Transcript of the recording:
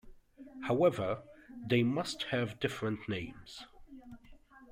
However, they must have different names.